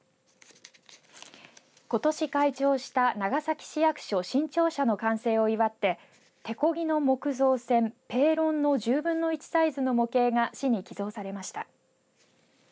ことし開庁した長崎市役所新庁舎の完成を祝って手こぎの木造船ペーロンの１０分の１サイズの模型が市に寄贈されました。